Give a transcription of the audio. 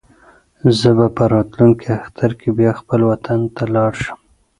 زه به په راتلونکي اختر کې بیا خپل وطن ته لاړ شم.